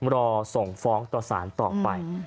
รอส่งฟ้องต่อสารต่อไป